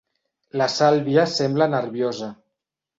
La Sàlvia sembla nerviosa.